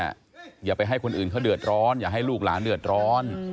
อย่าไปให้คนอื่นเขาเดือดร้อนอย่าให้ลูกหลานเดือดร้อน